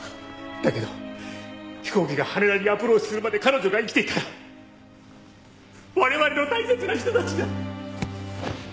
だけど飛行機が羽田にアプローチするまで彼女が生きていたら我々の大切な人たちが！